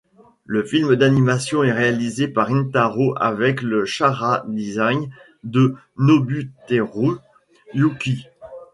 Le film d'animation est réalisé par Rintarō avec le chara-design de Nobuteru Yūki.